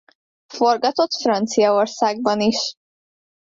Forgatott Franciaországban is.